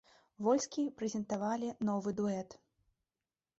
Вольскі прэзентавалі новы дуэт.